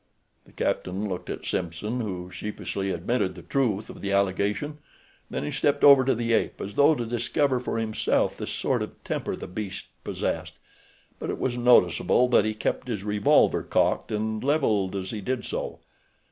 The captain looked at Simpson, who sheepishly admitted the truth of the allegation, then he stepped over to the ape as though to discover for himself the sort of temper the beast possessed, but it was noticeable that he kept his revolver cocked and leveled as he did so.